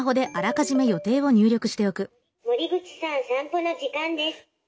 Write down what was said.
「森口さん散歩の時間です」。